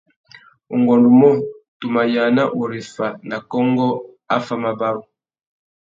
Ungôndumô, tu mà yāna ureffa nà kônkô affámabarú.